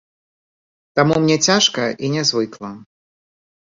Таму мне цяжка і нязвыкла.